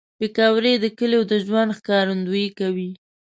پکورې د کلیو د ژوند ښکارندویي کوي